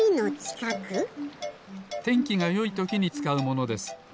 てんきがよいときにつかうものです。